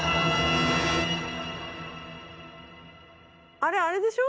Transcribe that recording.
あれあれでしょ？